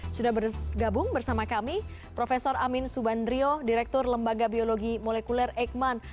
sudah bergabung bersama kami prof amin subandrio direktur lembaga biologi molekuler eikman